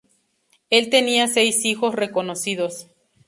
Él tenía seis hijos reconocidos.